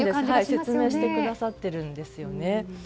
説明してくださっているんですよね。